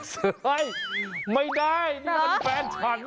เฮ้ยไม่ได้นี่มันแฟนฉัน